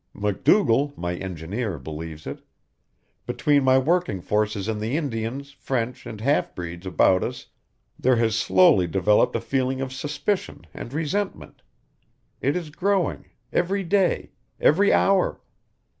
MacDougall, my engineer, believes it. Between my working forces and the Indians, French, and half breeds about us there has slowly developed a feeling of suspicion and resentment. It is growing every day, every hour.